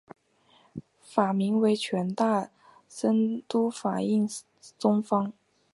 法名为权大僧都法印宗方。